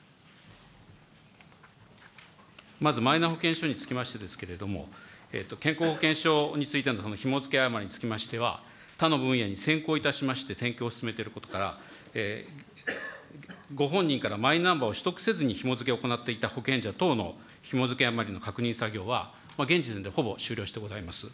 まず、マイナ保険証につきましてですけれども、健康保険証についてのひも付け誤りにつきましては、他の分野に先行いたしまして、点検を進めていることから、ご本人からマイナンバーを取得せずにひも付けを行っていた保険者等のひも付け誤りの確認作業は、現時点でほぼ終了してございます。